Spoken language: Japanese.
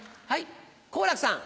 好楽さん。